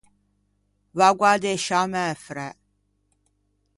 Vaggo à addesciâ mæ fræ.